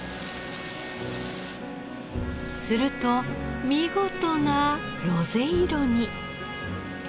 すると見事なロゼ色に。